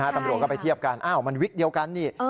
ตำรวจก็ไปเทียบกันอ้าวมันวิกเดียวกันนี่